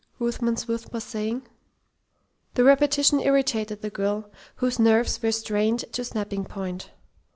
Ruthven Smith was saying. The repetition irritated the girl, whose nerves were strained to snapping point.